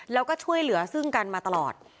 แล้วก็ช่วยเหลือซึ่งกันมาตลอด